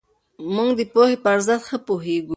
موږ د پوهې په ارزښت ښه پوهېږو.